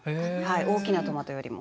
大きなトマトよりも。